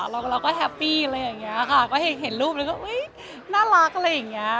เราก็แฮปปี้อะไรอย่างนี้ค่ะก็เห็นรูปแล้วก็อุ๊ยน่ารักอะไรอย่างนี้